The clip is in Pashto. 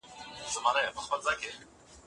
هغې رانجه د کورنۍ له يادونو سره تړي.